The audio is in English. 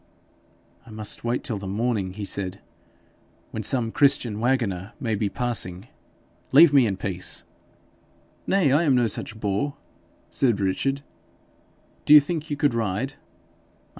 'I must wait till the morning,' he said, 'when some Christian waggoner may be passing. Leave me in peace.' 'Nay, I am no such boor!' said Richard. 'Do you think you could ride?'